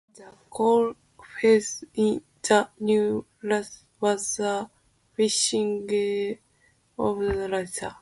The collie featured in "The New Lassie" was a fifth generation of Lassie.